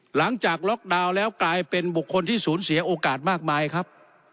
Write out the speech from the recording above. หลังจากล็อกดาวน์แล้วกลายเป็นบุคคลที่สูญเสียโอกาสมากมายครับ